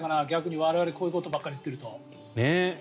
逆に我々、こういうことばかり言ってると。